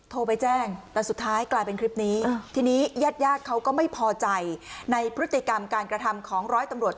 โทรไปแจ้งแต่สุดท้ายกลายเป็นคลิปนี้ทีนี้ญาติญาติเขาก็ไม่พอใจในพฤติกรรมการกระทำของร้อยตำรวจ